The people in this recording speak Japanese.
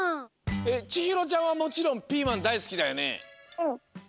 えっちひろちゃんはもちろんピーマンだいスキだよね？